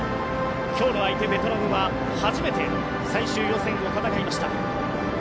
今日の相手ベトナムは初めて最終予選を戦いました。